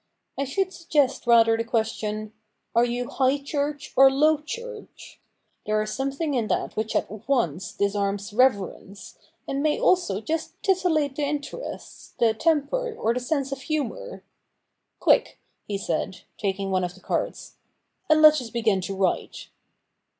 I should suggest rather the question, " Are you High church or Low church ?" There is something in that which at once disarms reverence, and may also just titillate the interests, the temper, or the sense of humour. Quick,' he said, taking one of the cards, ' and let us begin to write.'